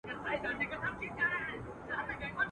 د طبیب عقل کوټه سو مسیحا څخه لار ورکه.